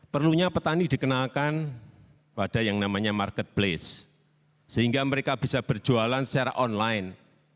perlunya petani dikenalkan pada yang namanya marketplace sehingga mereka bisa berjualan secara online